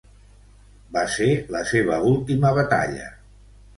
Va ser la seva última batalla.